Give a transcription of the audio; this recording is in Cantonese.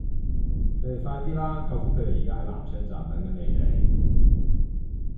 你哋快啲啦!舅父佢哋而家喺南昌站等緊你哋